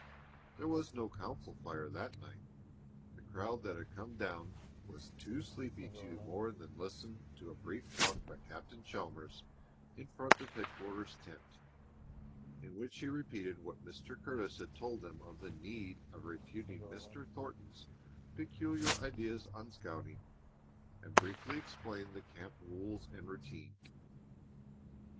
There was no council fire that night. The crowd that had come down was too sleepy to do more than listen to a brief talk by Captain Chalmers in front of headquarters tent, in which he repeated what Mr. Curtis had told them of the need of refuting Mr. Thornton's peculiar ideas on scouting and briefly explained the camp rules and routine.